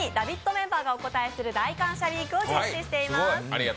メンバーがお答えする大感謝ウィークを実施しています。